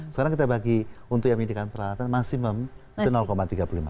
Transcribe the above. sekarang kita bagi untuk yang memiliki peralatan masih tiga puluh lima